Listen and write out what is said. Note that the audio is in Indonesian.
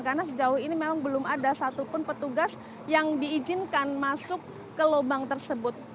karena sejauh ini memang belum ada satupun petugas yang diizinkan masuk ke lubang tersebut